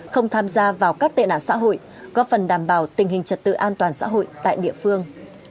không tham gia vào các tệ nạn xã hội góp phần đảm bảo tình hình trật tự an toàn xã hội tại địa phương